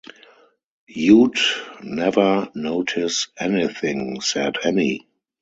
“You’d never notice anything,” said Annie.